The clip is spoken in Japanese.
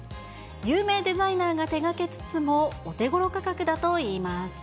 有名デザイナーが手がけつつも、お手ごろ価格だといいます。